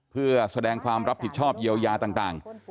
เพื่อแสดงความรับผิดชอบเยียวยาต่าง